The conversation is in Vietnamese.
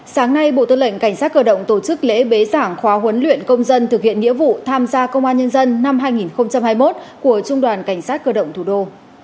sáng nay bộ tư lệnh cảnh sát cơ động tổ chức lễ bế giảng khóa huấn luyện công dân thực hiện nghĩa vụ tham gia công an nhân dân năm hai nghìn hai mươi một của trung đoàn cảnh sát cơ động thủ đô